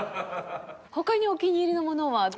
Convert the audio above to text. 他にお気に入りのものは？